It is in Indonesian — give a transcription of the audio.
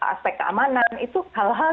aspek keamanan itu hal hal